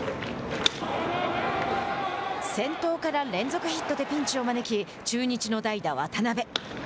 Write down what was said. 先頭から連続ヒットでピンチを招き中日の代打渡辺。